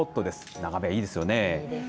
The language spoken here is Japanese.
眺めいいですよね。